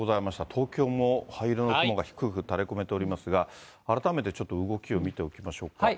東京も灰色の雲が低く垂れこめておりますが、改めてちょっと動きを見ておきましょうか。